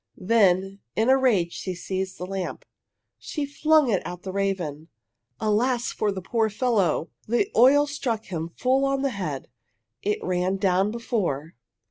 Then in a rage she seized the lamp. She flung it at the raven. Alas, for the poor fellow! The oil struck him full on the head. It ran down before.